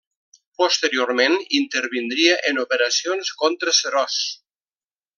Posteriorment intervindria en operacions contra Seròs.